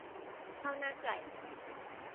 ข้าวหน้าไก่